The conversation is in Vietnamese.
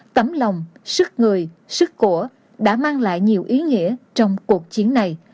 tấm lòng sức người sức của đã mang lại nhiều ý nghĩa trong cuộc chiến này